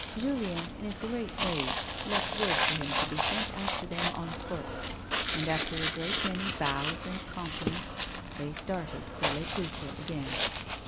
Julien, in a great rage, left word for him to be sent after them on foot, and, after a great many bows and compliments, they started for Les Peuples again.